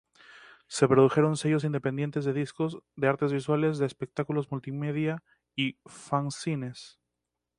Se produjeron sellos independientes de discos, de artes visuales, de espectáculos multimedia y fanzines.